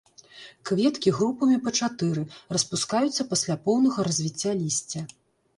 Кветкі групамі па чатыры, распускаюцца пасля поўнага развіцця лісця.